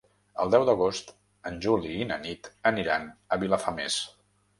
El deu d'agost en Juli i na Nit aniran a Vilafamés.